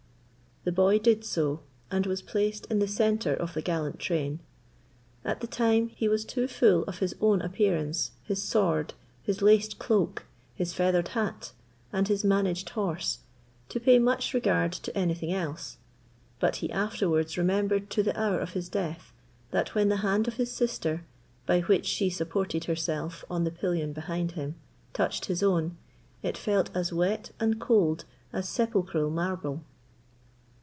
The boy did so, and was placed in the centre of the gallant train. At the time, he was too full of his own appearance, his sword, his laced cloak, his feathered hat, and his managed horse, to pay much regard to anything else; but he afterwards remembered to the hour of his death, that when the hand of his sister, by which she supported herself on the pillion behind him, touched his own, it felt as wet and cold as sepulchral marble.